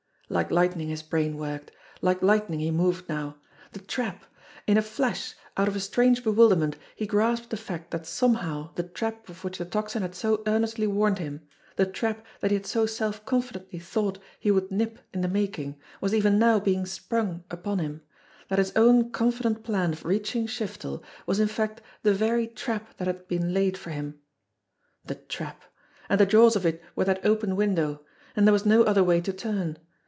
Like lightning his brain worked ; like lightning he moved now. The trap ! In a flash, out of a strange bewilderment, he grasped the fact that somehow the trap of which the Tocsin had so earnestly warned him, the trap that he had so self confidently thought he would nip in the making, was even now being sprung upon him; that his own confident plan of reaching Shiftel was in fact the very trap that had been laid for him. The trap! And the jaws of it were that open window! And there was no other way to turn.